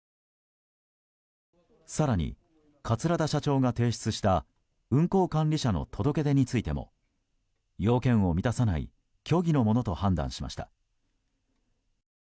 更に桂田社長が提出した運航管理者の届け出についても要件を満たさない虚偽のものと判断しました。